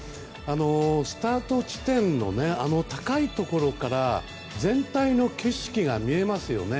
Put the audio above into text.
スタート地点の高いところから全体の景色が見えますよね。